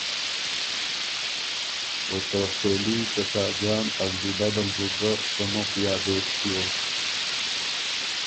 او ته سېلي ته ساجان ا زلی بد ال بُو ګه سمُخ یادېک ݭیوک۔